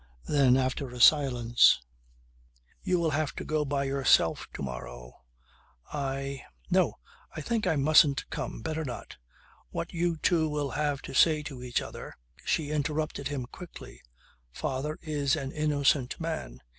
Then after a silence: "You will have to go by yourself to morrow. I ... No, I think I mustn't come. Better not. What you two will have to say to each other " She interrupted him quickly: "Father is an innocent man.